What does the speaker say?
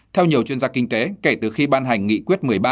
theo nhiều chuyên gia kinh tế kể từ khi ban hành nghị quyết một mươi ba